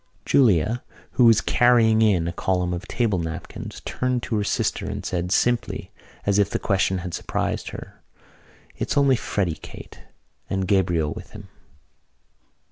Julia, who was carrying in a column of table napkins, turned to her sister and said, simply, as if the question had surprised her: "It's only Freddy, Kate, and Gabriel with him."